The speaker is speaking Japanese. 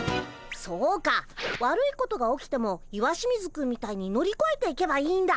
そうか悪いことが起きても石清水くんみたいに乗りこえていけばいいんだ。